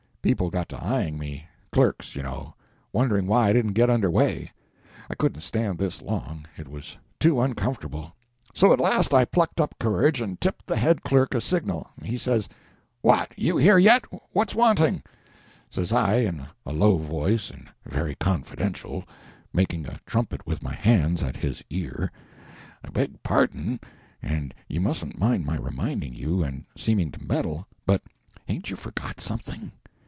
People got to eying me—clerks, you know—wondering why I didn't get under way. I couldn't stand this long—it was too uncomfortable. So at last I plucked up courage and tipped the head clerk a signal. He says— "What! you here yet? What's wanting?" Says I, in a low voice and very confidential, making a trumpet with my hands at his ear— "I beg pardon, and you mustn't mind my reminding you, and seeming to meddle, but hain't you forgot something?"